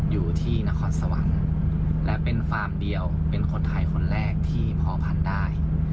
อยู่ที่นครสวรรค์และเป็นฟาร์มเดียวเป็นคนไทยคนแรกที่พอพันธุ์ได้